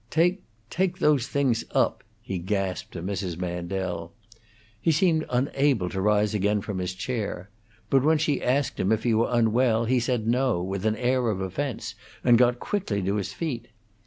"Take take those things up," he gasped to Mrs. Mandel. He seemed unable to rise again from his chair; but when she asked him if he were unwell, he said no, with an air of offence, and got quickly to his feet.